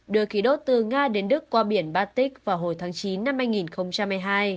đưa khí đốt từ nga đến đức qua biển batic vào hồi tháng chín năm hai nghìn hai mươi hai